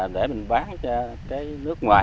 để mình bán cho nước ngoài